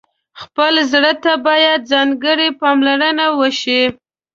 خپل زړه ته باید ځانګړې پاملرنه وشي.